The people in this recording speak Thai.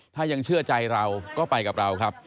ถ้ายังเชื่อใจเราก็ไปกับเราครับ